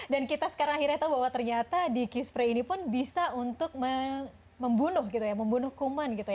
dan kita sekarang akhirnya tahu bahwa ternyata di key spray ini pun bisa untuk membunuh kuman